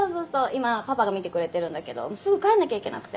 今パパが見てくれてるんだけどすぐ帰んなきゃいけなくて。